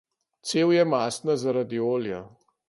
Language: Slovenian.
Cev je mastna zaradi olja.